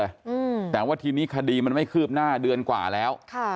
อืมแต่ว่าทีนี้คดีมันไม่คืบหน้าเดือนกว่าแล้วค่ะ